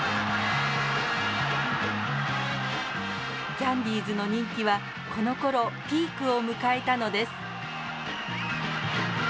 キャンディーズの人気はこのころピークを迎えたのです。